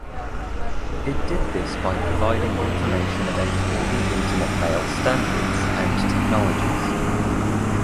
It did this by providing information about all the Internet mail standards and technologies.